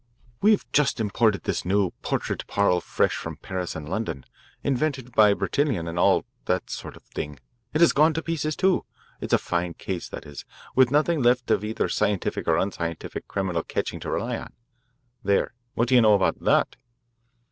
We've just imported this new 'portrait parle' fresh from Paris and London, invented by Bertillon and all that sort of thing it has gone to pieces, too. It's a fine case, this is, with nothing left of either scientific or unscientific criminal catching to rely on. There what do you know about that?"